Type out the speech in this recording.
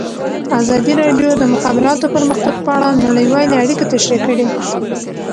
ازادي راډیو د د مخابراتو پرمختګ په اړه نړیوالې اړیکې تشریح کړي.